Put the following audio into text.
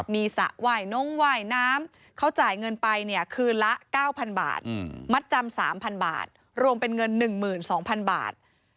มีสระว่ายน้องว่ายน้ำเขาจ่ายเงินไปเนี่ยคืนละ๙๐๐บาทมัดจำ๓๐๐บาทรวมเป็นเงิน๑๒๐๐๐บาท